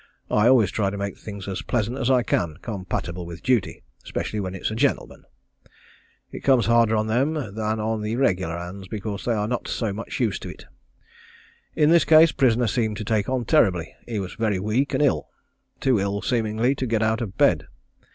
I always try to make things as pleasant as I can, compatible with duty, specially when it's a gentleman. It comes harder on them than on the regular hands, because they are not so much used to it. In this case prisoner seemed to take on terribly. He was very weak and ill too ill seemingly to get out of bed.